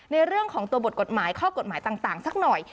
ในเรื่องของตัวบทกฎหมายข้อกฎหมายต่างสักหน่อย